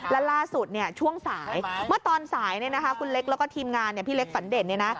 แล้วล่าสุดช่วงสายเมื่อตอนสายคุณเล็กแล้วก็ทีมงานพี่เล็กฝันเด่น